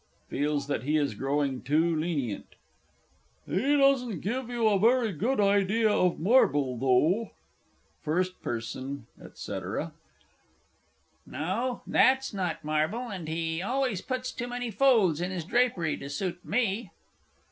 (Feels that he is growing too lenient). He doesn't give you a very good idea of marble, though. FIRST P. &c. No that's not marble, and he always puts too many folds in his drapery to suit me.